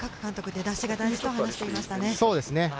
＋各監督、出だしが大事とも話していましたね。